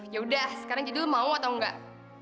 yaudah sekarang jadi lo mau atau nggak